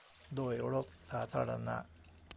โดยรถสาธารณะ